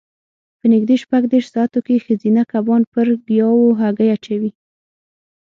په نږدې شپږ دېرش ساعتو کې ښځینه کبان پر ګیاوو هګۍ اچوي.